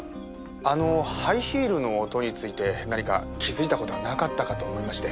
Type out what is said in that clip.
あのハイヒールの音について何か気づいた事はなかったかと思いまして。